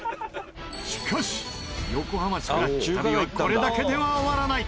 しかし横浜スクラッチ旅はこれだけでは終わらない！